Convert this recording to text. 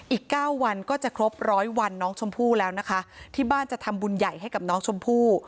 อีกเก้าวันก็จะครบร้อยวันน้องชมพู่แล้วนะคะที่บ้านจะทำบุญใหญ่ให้กับน้องชมพู่